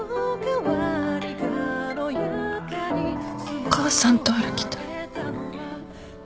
お母さんと歩きたい。